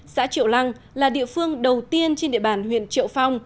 xã triệu lăng là địa phương đầu tiên trên địa bàn huyện triệu phong